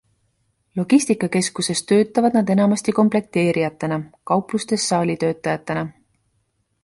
Logistikakeskuses töötavad nad enamasti komplekteerijatena, kauplustes saalitöötajatena.